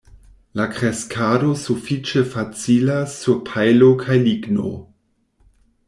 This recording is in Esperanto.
La kreskado sufiĉe facilas sur pajlo kaj ligno.